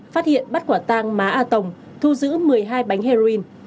phát hiện bắt quả tang má a tổng thu giữ một mươi hai bánh heroin